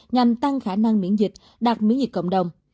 nhằm tăng khả năng miễn dịch đạt miễn dịch cộng đồng